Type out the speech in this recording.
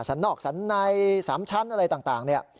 สันนอกสันใน๓ชั้นอะไรต่าง